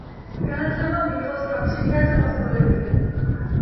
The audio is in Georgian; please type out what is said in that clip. განათლება მიიღო სახლში კერძო მასწავლებლისგან.